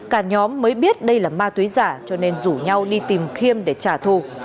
cả nhóm mới biết đây là ma túy giả cho nên rủ nhau đi tìm khiêm để trả thù